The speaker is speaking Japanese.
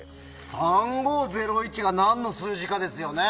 ３５０１が何の数字かですよね。